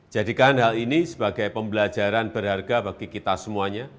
jadikan hal ini sebagai pembelajaran berharga bagi kita semuanya